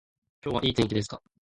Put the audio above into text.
今日はいい天気ですか